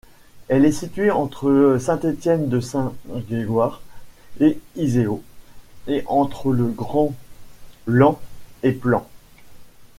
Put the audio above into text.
Elle est située entre Saint-Étienne-de-Saint-Geoirs et Izeaux et entre Le Grand-Lemps et Plan.